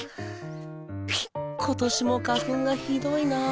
今年も花粉がひどいなぁ。